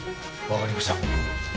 わかりました。